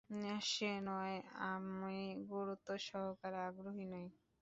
শেনয়, আমি গুরুত্ব সহকারে আগ্রহী নই।